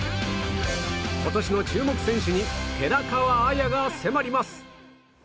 今年の注目選手に寺川綾が迫ります。